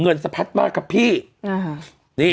เงินสะพัดมากกับเธอนี่